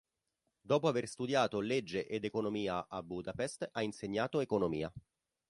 Dopo aver studiato legge ed economia a Budapest, ha insegnato economia.